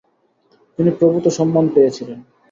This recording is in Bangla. তিনি প্রভূত সম্মান পেয়েছিলেন।